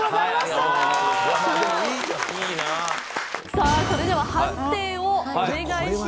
さあそれでは判定をお願いします。